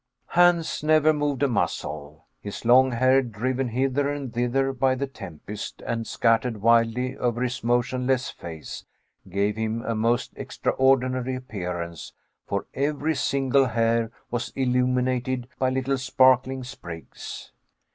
Hans never moved a muscle. His long hair driven hither and thither by the tempest and scattered wildly over his motionless face, gave him a most extraordinary appearance for every single hair was illuminated by little sparkling sprigs.